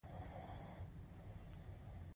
مالکان یوازې د خپلو خصوصي ګټو په فکر کې دي